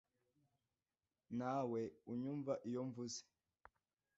Ntawe unyumva iyo mvuze